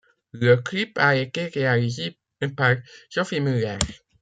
Le clip a été réalisé par Sophie Muller.